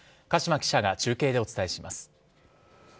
鹿嶋記者が中継でお伝えします。